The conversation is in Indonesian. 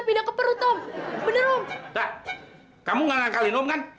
pindah ke perut om bener om kamu nggak ngakalin om kan